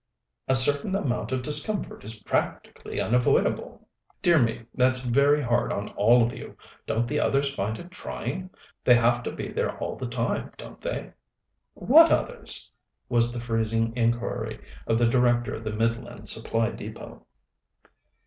A certain amount of discomfort is practically unavoidable." "Dear me! that's very hard on all of you. Don't the others find it trying? They have to be there all the time, don't they?" "What others?" was the freezing inquiry of the Director of the Midland Supply Depôt.